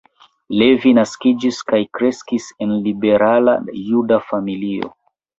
Levi naskiĝis kaj kreskis en liberala juda familio.